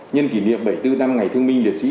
nhân kỷ niệm bảy mươi bốn năm ngày thương minh liệt sĩ